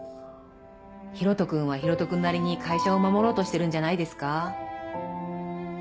広翔君は広翔君なりに会社を守ろうとしてるんじゃないですか？